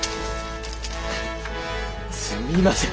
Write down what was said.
すみません。